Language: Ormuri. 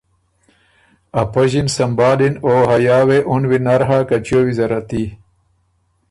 ا پݫی ن سمبهال اِن او حیا وې اُن وینر هۀ که چیو ویزره تي۔